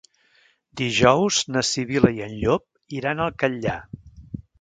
Dijous na Sibil·la i en Llop iran al Catllar.